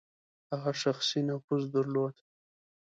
هغه شخصي نفوذ درلود.